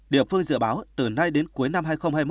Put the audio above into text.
điều phương dự báo từ nay đến cuối năm hai nghìn hai mươi một